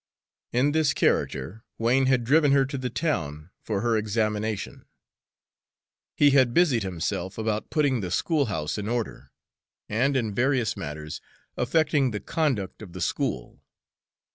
In this character Wain had driven her to the town for her examination; he had busied himself about putting the schoolhouse in order, and in various matters affecting the conduct of the school.